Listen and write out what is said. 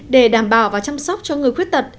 để đảm bảo và chăm sóc cho người khuyết tật